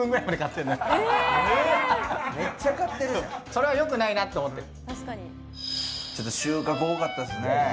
それは良くないなって思ってる。